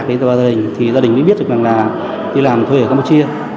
khi đi liên lạc với gia đình thì gia đình mới biết được là đi làm thuê ở campuchia